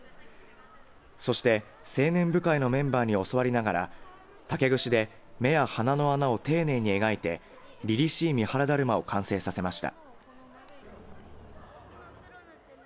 そして、青年部会のメンバーに教わりながら竹串で目や鼻の穴を丁寧に描いてりりしい三原だるまを完成させました。